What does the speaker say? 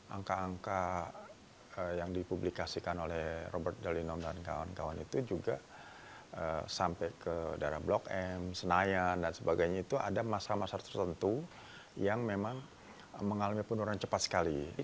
angka angka yang dipublikasikan oleh robert dalinom dan kawan kawan itu juga sampai ke daerah blok m senayan dan sebagainya itu ada masalah masalah tertentu yang memang mengalami penurunan cepat sekali